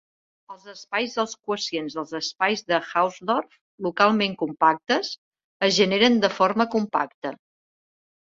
Els espais dels quocients dels espais de Hausdorff localment compactes es generen de forma compacte.